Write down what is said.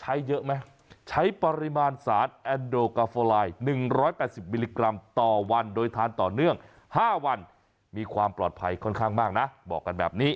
ใช้เยอะไหมใช้ปริมาณสารแอนโดกาโฟลาย๑๘๐มิลลิกรัมต่อวันโดยทานต่อเนื่อง๕วันมีความปลอดภัยค่อนข้างมากนะบอกกันแบบนี้